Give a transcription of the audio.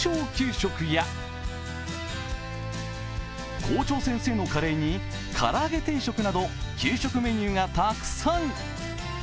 食や校長先生のカレーにからあげ定食など給食メニューがたくさん。